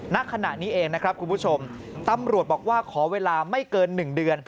ณขณะนี้เองนะครับคุณผู้ชมตำรวจบอกว่าขอเวลาไม่เกิน๑เดือน